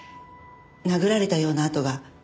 殴られたような痕が。